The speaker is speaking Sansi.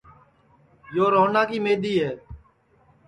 یو روہنا کی مِدؔی ہے